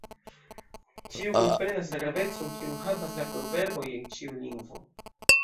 Ĉiu komprenas la gravecon, kiun havas la proverboj en ĉiu lingvo.